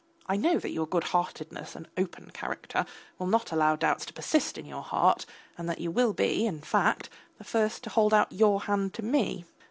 I know that your goodheartedness and open character will not allow doubts to persist in your heart, and that you will be, in fact, the first to hold out your hand to me.